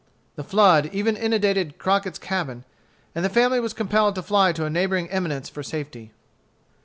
The flood even inundated Crockett's cabin, and the family was compelled to fly to a neighboring eminence for safety.